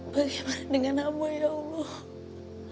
bagaimana dengan hama ya allah